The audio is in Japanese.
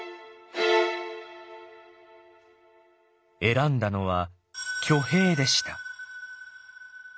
選んだのは挙兵でした。